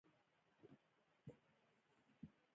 د افغانستان په منظره کې هرات ښکاره دی.